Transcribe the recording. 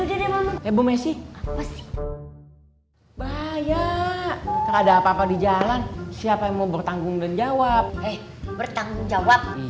itu mesin bahaya terhadap apa di jalan siapa yang mau bertanggung dan jawab bertanggung jawab iya